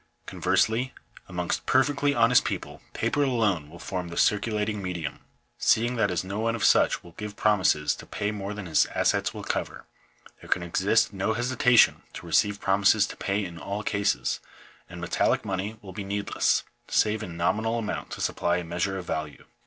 Conversely, amongst perfectly honest people paper alone will form the circulating medium ; seeing that as no one of such will give promises to pay more than his assets will cover, there can exist no hesitation to receive promises to pay in all cases; and metallic money will be needless, save in nominal amount to supply a measure of value.